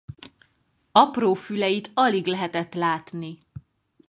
Apró füleit alig lehetett látni.